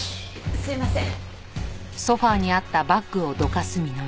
すいません。